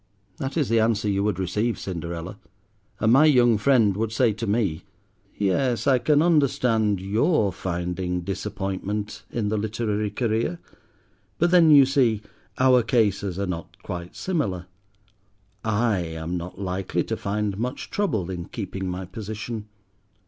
That is the answer you would receive, Cinderella; and my young friend would say to me, "Yes, I can understand your finding disappointment in the literary career; but then, you see, our cases are not quite similar. I am not likely to find much trouble in keeping my position.